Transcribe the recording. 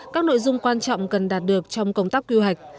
các nội dung quan trọng cần đạt được trong công tác quy hoạch